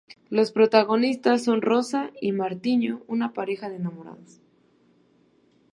Los protagonistas son Rosa y Martiño, una pareja de enamorados.